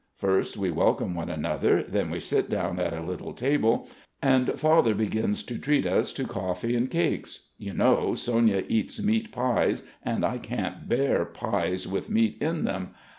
First, we welcome one another, then we sit down at a little table and Father begins to treat us to coffee and cakes. You know, Sonya eats meat pies, and I can't bear pies with meat in them!